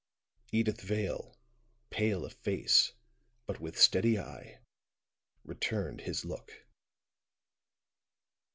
Edyth Vale, pale of face, but with steady eye, returned his look.